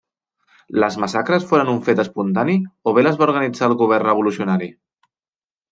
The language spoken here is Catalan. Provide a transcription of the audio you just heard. Les massacres foren un fet espontani o bé les va organitzar el govern revolucionari?